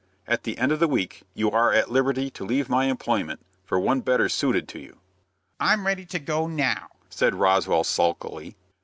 At the end of the week, you are at liberty to leave my employment for one better suited to you." "I'm ready to go now," said Roswell, sulkily.